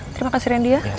terima kasih rendy ya